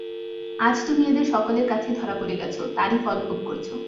আজ তুমি এঁদের সকলের কাছেই ধরা পড়ে গেছ, তারই ফলভোগ করছ।